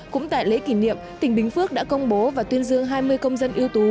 cũng tại lễ kỷ niệm tỉnh bình phước đã công bố và tuyên dương hai mươi công dân ưu tú